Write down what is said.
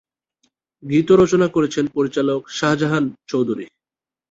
গীত রচনা করেছেন পরিচালক শাহজাহান চৌধুরী।